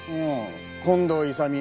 近藤勇